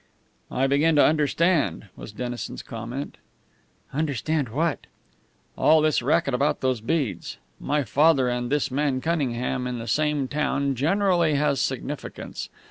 "I begin to understand," was Dennison's comment. "Understand what?" "All this racket about those beads. My father and this man Cunningham in the same town generally has significance.